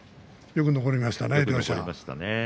よく残りましたね、両者。